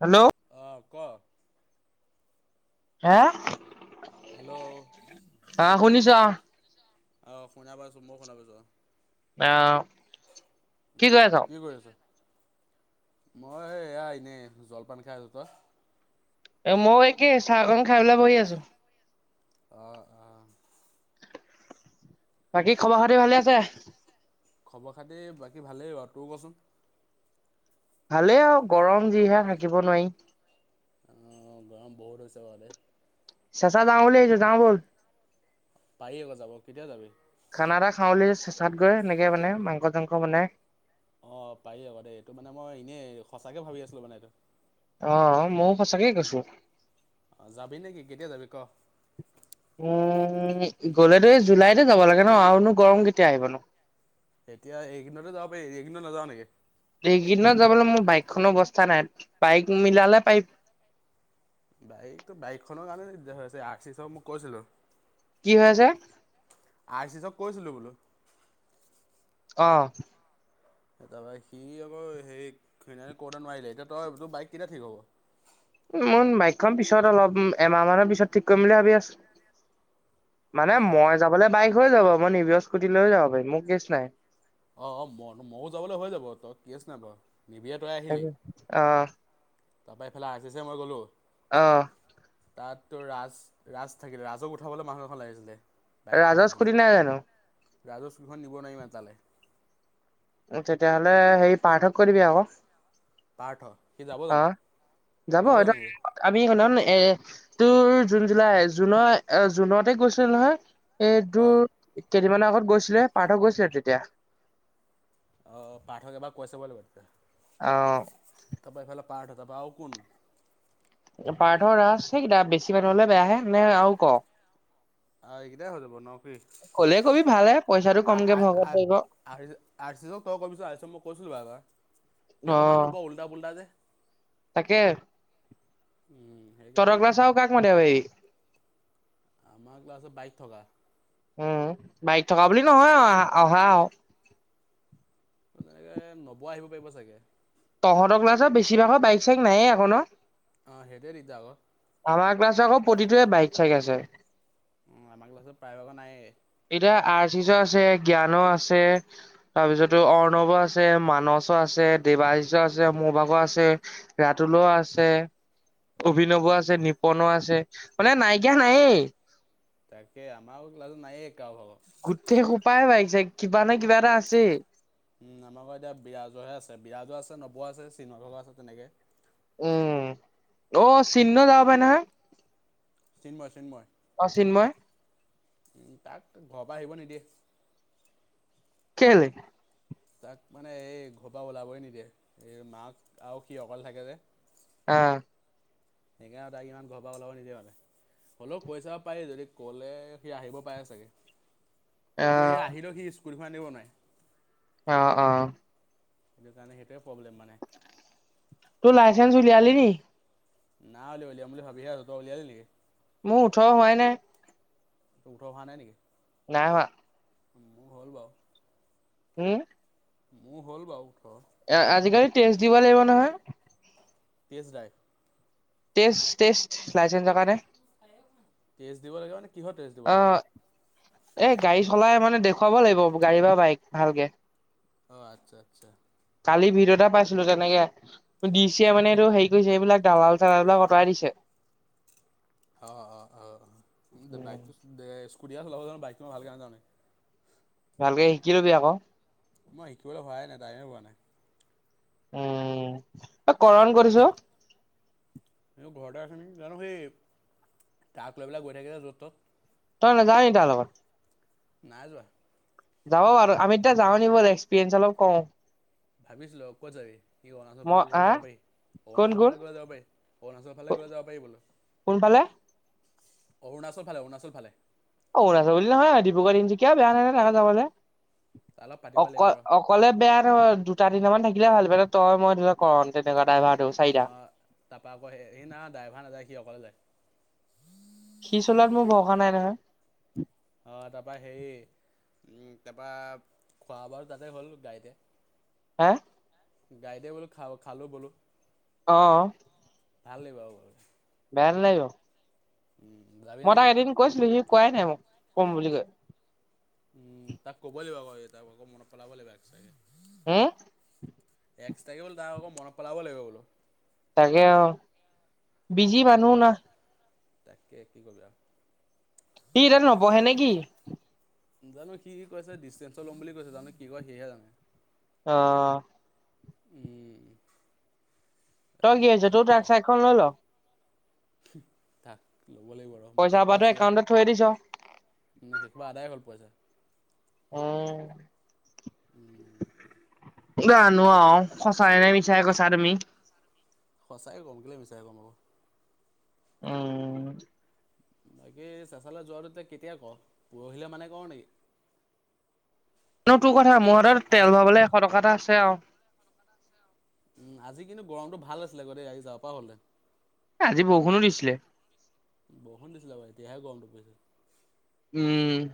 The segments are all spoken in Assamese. হেল্ল'' অ' ক' হা! হেল্ল' আহ শুনিছোঁ অ? অ' শুনা পাইছো মই শুনা পাইছো অ আহ কি কৰি উম, আছ? কৰি আছ? মই এয়া এনে জলপান খাই আছো। তই? এ মই একেই চাহকন খাই লৈ বহি আছো। আহ আহ বাকী খবৰ খাতি ভালে আছে? খবৰ খাতি বাকী ভালেই বা। তোৰ কচোন? ভালেই আৰু গৰম যিহে থাকিব নোৱাৰি। অ গৰম বহুত হৈছে বা দেই। চেঁচাত যাওঁ বুলি ভাবিছোঁ যাওঁ ব'ল। পাৰি আকৌ যাব কেতিয়া যাবি? খানা এটা খাওঁ বোলি চেচাত গৈ এনেকে মানে মাংস চাংস বনাই। অ পাৰি আকৌ দেই এইটো মানে মই এনেই সঁচাকে ভাবি আছিলো মানে এইটো। অ মও সঁচাকে কৈছো। অ যাবি নেকি কেতিয়া যাবি ক? উম গ'লেতো এই জুলাইতে যাব লাগে ন আৰু নো গৰম কেতিয়া আহিব নো। এতিয়া এইকেদিনতে যাব পাৰি এই কেইদিনত নাযাওঁ নেকি। এইকেইদিনত যাবলৈ মোৰ বাইকখনৰ অৱস্থা নাই বাইক মিলালে পাৰিম। বাইক তো বাইক খনৰ কাৰানেটো দিকদাৰ হৈছে অৰ্চিছক মই কৈছিলো। কি হৈ আছে? আৰ্চিছক কৈছিলো বোলো। অহ। তাৰপৰা সি আকৌ হেৰি কওতে নোৱাৰিলে। এতিয়া তই তোৰ বাইক কেতিয়া ঠিক হ'ব। মোৰ বাইক খন পিছত অলপ এমাহ মানৰ পিছত ঠিক কৰিম বুলি ভাবি আছো। মানে অ', অ'। মই যাবলৈ বাইক হৈ যাব। মই নিজৰ স্কুটি লৈয়ও যাব পাৰিম মোৰ কেচ নাই। অ ম ময়ো যাবলৈ হৈ যাব তই কেচ নাই বাৰু। অহ। তাপা এইফালে অৰ্চিছে মই গ'লো- অহ। তাত তো ৰাজ ৰাজ থাকিলে ৰাজক উঠাবলৈ বাহন এখন লাগিছিলে। বাইকখন ৰাজৰ লাগিছিলে স্কুটি নাই জানো? ৰাজৰ স্কুটিখন নিব নোৱাৰিম তালে। তেতিয়াহ'লে সেই পাৰ্থক কৈ দিবি আকৌ। পাৰ্থ সি যাব অ জানো যাব জানো সি? আমি সেইদিনাখন এ তোৰ জুন জুলাই জুনৰ জুনতে গৈছিল নহয়। এই অ', তোৰ কেইদিনমানৰ আগত গৈছিলো সে পাৰ্থ গৈছিল তেতিয়া। অ অ পাৰ্থক এবাৰ কৈ চাব লাগিব তেতিয়া। অঁ। তাপা ইফালে পাৰ্থ তাপা আও কোন। পাৰ্থৰ ৰাস সেইকেইা বেছি মানুহ হলে বেয়াহে নে আৰু কয়। আহ এইকেইটাই হৈ যাব ন কি। কবি ভালে পইচাটো কমকে ভগাব পাৰিব আৰ্চিছক তই কবিছোন মই কৈছিলো বা। অ সেই আকৌ মানুহটো বৰ উল্টা পুলটা যে। তাকে সেইকাৰণে তহঁতক মানে ক্লাছৰ কাক মাতিব পাৰিবি। আমাৰ ক্লাছত বাইক থকা। উম বাইক থকা বুলি নহয় আৰু অহা। এনেকে ন'ব আহিব পাৰিব চাগে। তহতৰ ক্লাছৰ বেছিভাগৰ বাইক চাইক নায়ে আক ন? অ হেইটোৱে দিগদাৰ ক। আমাৰ ক্লাছৰ আকৌ প্ৰতিটোৱে বাইক চাইক আছে। উম আমাৰ ক্লাছত প্ৰায় ভাগৰ নাইয়ে। এতিয়া আৰৰ্চিছৰ আছে, জ্ঞানৰ আছে, তাৰপিছতো অৰ্ণৱৰ আছে, মানস- আছে, দেৱাৰশ্য আছে, মোৰ ভাগৰ আছে, ৰাতুলৰ আছে- অভিনৱৰ আছে, নিপনৰ আছে মানে নাইকিয়া নাইয়ে। তাকে আমাৰও ক্লাছত নাইয়ে। গোটেই সোপাই বাইক চাইক কিবা নহয় কিবা এটা আছেই। উম আমাৰ আক এতিয়া বিৰাজহে আছে বিৰাজ আছে নৱ আছে চিন ভাগ আছে তেনেকে। উম অ চিন্ন যাব পাৰে নহয়। চিনমই চিনমই অ চিনমই তাক ঘৰৰ পৰা আহিব নিদিয়ে। কেলে তাক মানে এই ঘৰ পৰা ওলাবই নিদিয়ে এই মাক আৰু সি অক থাকে যে অ সেকাৰে আৰু তাইক ইমান ঘৰ পৰা ওলাব নিদিয়ে মানে হ'লেও কৈ চাব পাৰি যদি কলে সি আহিব পাৰে চাগে। অ কিন্তু সি আহিলেও সি স্কুলখ আনিব নোৱাই। অ অ। সেইটো কাৰণে সেইটোৱে প্ৰব্লেম মানে। তোৰ লাইচেন্ঞ্চ উলিয়ালি নি নাই উলিয়া। উলিয়াম বুলি ভাবি হে আছোঁ তই উলিয়ালি নেকি? মোৰ ওঠৰ হোৱাই নাই। ত উঠৰো হোৱা নাই নেকি? নাই হোৱা। হয় বাও হম। মোৰ হ'ল বাৰু। আজিকালি টেষ্ট দিব লাগিব নহয়। Test drive. টেষ্ট টেষ্ট লাইচেনচৰ কাৰনে। টেষ্ট দিব লাগে নে কিহত দিব লাগে। এ গাড়ী চলাই মানে দেখুৱাব লাগিব গাড়ী বা বাইক ভালকে অ আচ্ছা আচ্ছা। কালি ভিত এটা পাইছিলো তেনেকে ডি চিয়ে মানে এইটো হেৰি কৰিছে এইবিলাক দালাল চালাল বিলাক আঁতৰাই দিছে [inaudible] অ অ অ বাইক স্কুটি চলাব বাইকই ভালে জে ভালকে শিকি লবি আকৌ মই শিকিবলৈ হোৱাই নাই টাইমে পোৱা নাই উম কৰণ কৰিছো মোৰ ঘৰতে জানো সেই তাক লৈ পেলাক গৈ থাকিলে য'ত ত'ত তই নেযাও নি তাৰ লগত নাই যোৱা যাব বাৰু আমি এতিয়া যাও নি বল এক্সপিৰিয়েঞ্চ অলপ কও। ভাবিছিলো ক'ত যাবি কি অচৰ মই ফালে গলে আ যাব পাৰি। কোন অৰুণাচল কোন ফালে ক যাব পাৰি অৰুণাচৰ ফালে ক যাব পাৰি বোলো কোনফালে? অৰুণাচল ভালে অৰুণাচল ভালে অৰুণাচল বুলি নহয় ডিব্ৰুগড় তিনিচুকীয়াও বেয়া নহয় নহয় যাবলে। তাৰ লগত পাতিব অক লাগিব ৰ অকলে বেয়াতো হয় দু- দুটা তিনটামান থাকিলে ভাল মানে তই মই ধৰি লক' ক তেনেকোৱা ড্ৰাইভাৰ। অ তাৰাপৰা আকৌ সি না ড্ৰাইভাৰ নাযায় সি অকলে যায়। সি চলোৱাত মোৰ ভৰষা নাই নহয় অঁ তাৰপৰা হেৰি তাৰপৰা খোৱা বাৰু তাতে হ'ল গাড়ীতে হে গাড়ীতে বোলো খা খালো বলো অ। ভাল লাগিব আৰু বেয়া নালাগিব উম, যাবি মই তাক নেকি এদিন কৈছিলো সি কোৱাই নাই মোক কম বুলি কৈ উম তাক ক'ব লাগিব আকৌ মনত পেলাব লাগিবা এক চাগে হম এক্সট্ৰা কে তাক আকৌ মনত পেলাব লাগিব বোলো তাকে অ বিজি অঁ মানুহ সেইটো না তাকে কি কৰিবা ই তাত নপঢ়ে নেকি? জানো কি কি কৈছে ডিষ্টেঞ্চত ল'ম বুলি কৈছে, জানো কি কয় সিহে জানে। অ উম। তাকে তই কি এতিয়া হৈছে তোৰ তাৰ চাইকখন লৈ ল হু তাক ল'ব লাগিব আৰু পইচা ট্ৰেকটৰ সোপাটো আছেই এখন একাউণ্টত থৈ দিছ ন সেইসোপা আদায় হ'ল পইচা উম উম জানো আও সঁচাই নে মিছাই কৈছা তুমি। সঁচাই কম কিয় মিছাই কম আকৌ উম বাকী চেচালে যোৱাটো কেতিয়া ক পৰহিলে মানে নেকি [unintelligible] সেইটো কথা মোৰ হাতত তেল আজি ভৰাবলৈ এশ টকা এটা আছে আৰু। উম আজি কিন্তু গৰমটো ভাল আছিলে আও দেই আজি যাব পৰা হলে আজি বৰষুণো দিছিলে। বৰষুণ দিছিলে বেয়া গৰম [unintelligible] উম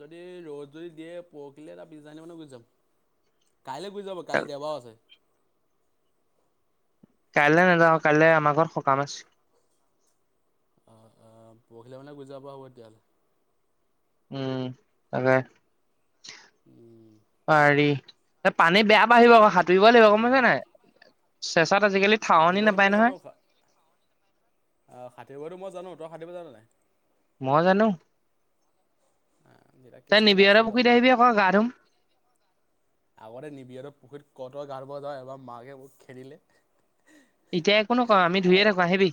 যদি ৰ'দ যদি দিয়ে পৰহিলে এটা বিছদাৰীমানা গুচি যাম [unintelligible] কাইলৈ গৈ যাব কাইলৈ দেওবাও আছে। কাইলৈ নাযাওঁ কাইলে আমাৰ ঘৰত সকাম আছে। অ পৰহিলৈ মানে গুজাব হ'ব তেতিয়াহ'লে উম তাকে, পাৰি পানী বেয়া পানী আহিব আকৌ সাঁতুৰিব লাগিব গম পাইছ নাই? আজিকালি ঠাৱনি সাঁতুৰিব তো নাপায় মই নহয় জানো, অহ সাঁতুৰিব তো মই জানো তই সাঁতুৰিব জান নাই? মই জানো। নিৰাকেশ তই না নিবিড় সতৰ ৰাজেও পুখুৰীত জানেই আহিবি আক গা ধম আগতে নিবিড় সতৰ পুখুৰীৰ গা ধূব যাও, এবাৰ মাকে বহুত খেদিলে এতিয়া একো নকওঁ আমি ধুইয়ে থাকো আহিবি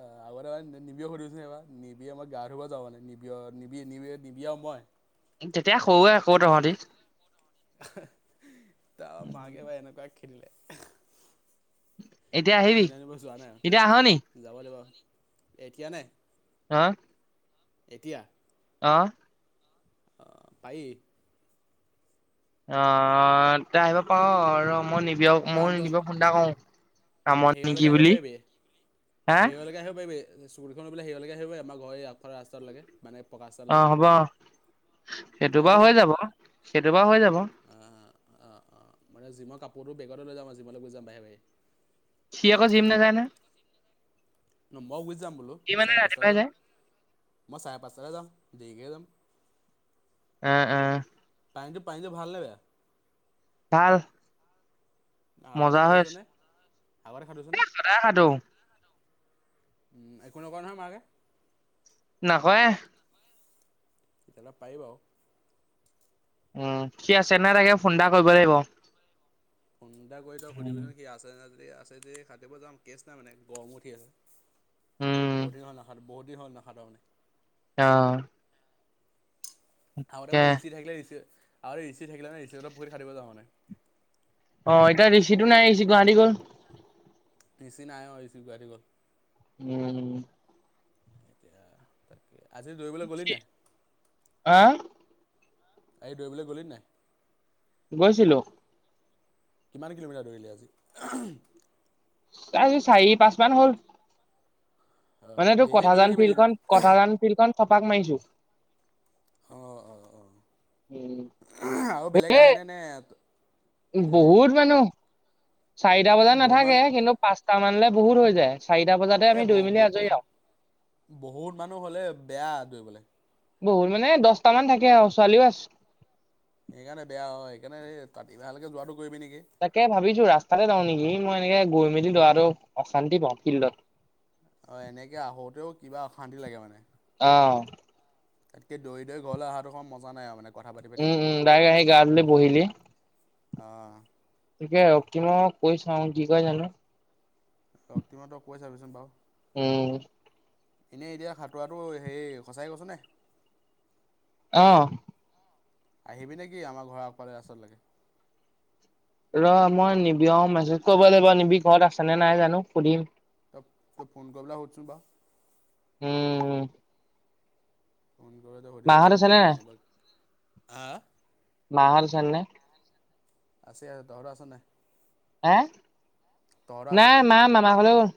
অ আগাৰ নিবিয় খছে নিবি [unintelligible] নিবি আমই গা ধুব যাওঁ মানে নিবি নিবি নিবিড় নিবিড় আৰু মই [unintelligible] তেতিয়া সৰুৱে আকৌ তহঁতি তাৰ মাকে বা এনেকুৱা খেদিলে এতিয়া আহিবি কিনা দিব যোৱা এতিয়া আহ নি নাই যাব লাগিব এতিয়া নাই হা এতিয়া আহ আহ পায় অ এয়া আহিব পাৰ আৰু মই নিবি য়া তই মই আমতল নিব ফোন এটা কৰো কামত নেকি বুলি হা সেৰিয়লৈকে আহিব পাৰিবি চকুৰিখন বলে শেহয়লৈকে আহিব পাৰিমাৰ ঘৰ আগফ ৰাস্তা লকে [unintelligible] মানে প্ৰকা অ চালৈকে হ'ব [unintelligible] সেইটো বা হৈ যাব সেইটো বা হৈ যাব। অ', বেগতলৈ যাম আযি জিমলৈ লৈ যাম বাহে বাহে। চি আকৌ জিম নেযায় নহয়। ন মই গুছি যাম বোলো সি মানে চাৰে পাঁচটাতে ৰাতিপুৱাই যায় যাম মই চাৰে পাঁচটাতে যাম দেৰিকে যাম। উম উম। পানীটো পানীটো ভাল লাগে। ভাল। আগতে মজা খোৱাটো হৈ আছে হৈছেনে আগতে খোৱাটো হৈছেনে। সদায় সাধো একো নকয় নহয় মাকে। নকয়। তেতিয়াহলে পাৰি বাও। উম সি আছে নাই তাকে ফোন এটা কৰিব লাগিব। ফোন এটা কৰি তই উম সুধিবিচোন সি আছে নে আছে যে হাতুৰিব যাম কেচ নাই মানে গৰম উঠি আছে। উম বহুত দিন হল নাহাত বহুত দিন হল নাহাতোৱো মানে। অ। আগতে কে মানে ৰিচি থাকেি আগতে ৰিচি থাকিলে হে ৰিচিত পুখুৰিত হাতুৰিব যাওঁ মানে। অ এতিয়া ঋষিটো নাই ৰিচি গুৱাহাটী গল। ৰিচি নাই অ' ৰিচি গুৱাহাটি গ'ল। উম এতিয়া তাকে আজি দৌৰিবলৈ গলি নাই? হা আজি দৌৰিবলে গলি নাই? গৈছিলো। কিমান কিলোমিটাৰ দৌৰিলি আজি? আজি চাহি- পাঁচমান হ'ল। মানে তোৰ ডেইলি দৌৰি কথাজান থাকিবি ফিল্ড তেতিয়া খন -কথাজান ফিল্ড খন চপাক মাৰিছো। অহ -অহ উম -অহ আৰু বেলেগ আহেনে নে হেৰি বহুত মানুহ। চাৰিটা বজাত বহুত নাথাকে মানুহ কিন্তু পাঁচটা মানলে বহুত হৈ যায়। চাৰিটা বজাতে এ' আমি দৌৰি ব- মেলি আজৰি আৰু বহুত মানুহ হলে বেয়া দৌৰিবলে। বহুত মানে দচতা মান থাকে আৰু ছোৱালীও আছ। সেইকাৰণে বেয়া হয় সেইকাৰণে তাতি ভালকে যোৱাটো কৰিবি নেকি তাকে ভাবিছো ৰাস্তাতে যাওঁ নেকি মই এনেকে গৈ মেলি দৰাটো অশান্তি পাওঁ ফিল্ডত। অহ, এনেকে আহোতেও কিবা অশান্তি লাগে মানে। অ', তাতকে দৌৰি- দৰি ঘৰলৈ আহাটো সমান মজা নাই আৰু মানে। কথা পাতি পাতি উম -উম দাৰেক আহিলি গা ধুলি বহিলি অহ তিকে আৰু কিনো কৈ চাওঁ কি কয় জানো। ৰকতিম সতক কৈ চাবিচোন বাৰু। উম এনেই এতিয়া খাটোৰাটো হেৰি সচাই কৈছ নে? অহ আহিবি নেকি আমাৰ ঘৰৰ আগফালে ৰাস্তাটোলৈকে? ৰ', মই নিবি অ' মেছেজ কৰিব লাগিব নিবি ঘৰত আছেনে নাই জানো সুধিম। ত 'তই ফোন কৰিবলৈ হোদচোন বাও। উম- উম ফোন কৰোঁতে সুধি পেলাই আছে নে নাই কবি [unintelligible] চানে আছে আৰু তহঁত আছ নাই? হে, তহঁতৰ আছে নাই মা মামা ঘৰলৈ গল।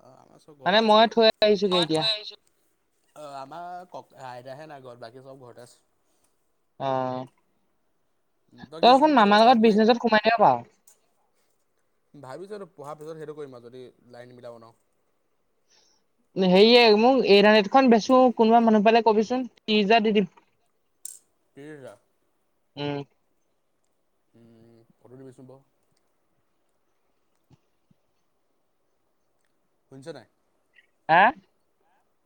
অহ, আমাৰ চব মানে ঘৰতে আছে মই বাৱ থৈ হেৰী আহিছোগে [unintelligible] এতিয়া অহ, আমাৰ কক আইটাহে নাই ঘৰত বাকি চব ঘৰতে আছে। আ কি তই জিম শুন কেতিয়াবা মামাৰ ষ্টাৰ্ট লগত কৰি বিজনেচত সোমাই দিব পাৰ। ভাবিছোঁ পঢ়াৰ পিছত সেইটো কৰিম আৰু যদি লাইনবিলাক বনাও। হেৰিয়ে মোক [unintelligible] নেটখন বেচো কোনোবা মানুহ পালে কবিচোন তিচ হাজাৰ দি দিম। এ'ৰা। উম উম ফটো দিবিচোন বাও। শুনিছ নাই? হা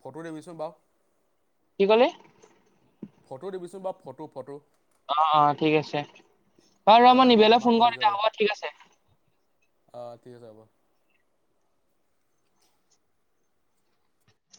ফটো দিবিছোন বাও। কি কলি? ফটো দিবিচোন বা ফটো - ফটো। অ', -অ', ঠিক আছে বাৰু ৰ এতিয়া মই মানে নিবিৰলে ফোন কৰো তেতিয়া হ'ব ঠিক আছে। অহ, ঠিক আছে হ'ব।